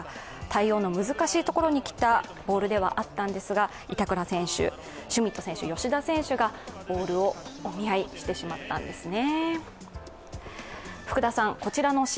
対応の難しいところに来たボールではあったんですが板倉選手、シュミット選手吉田選手がボールをお見合いしてしまったんですね。